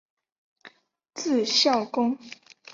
字孝公。